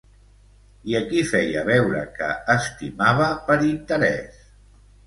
I a qui feia veure que estimava per interès?